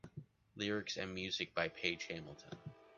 Lyrics and music by Page Hamilton.